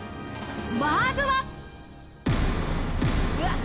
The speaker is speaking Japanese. まずは。